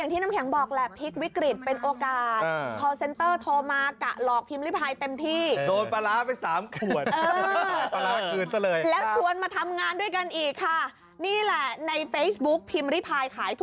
งั้นมึงออกมาทำกับกู